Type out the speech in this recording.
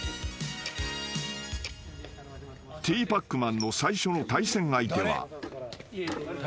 ［ティーパックマンの最初の対戦相手は］